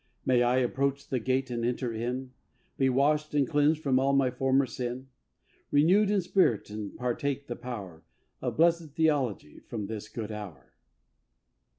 May I approach the gate and enter in, Be wash'd and cleans'd from all my former sin, Renew'd in spirit, and partake the power Of bless'd Theology from this good hour.